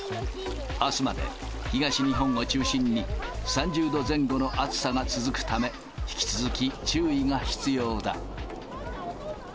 あすまで、東日本を中心に、３０度前後の暑さが続くため、引き続き注意が必要だ。